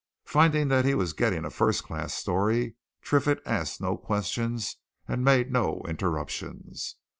Finding that he was getting a first class story, Triffitt asked no questions and made no interruptions.